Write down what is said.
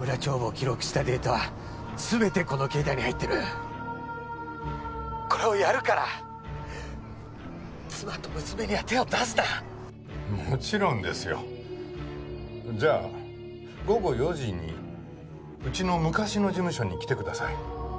裏帳簿を記録したデータは全てこの携帯に入ってる☎これをやるから妻と娘には手を出すなもちろんですよじゃあ午後４時にうちの昔の事務所に来てください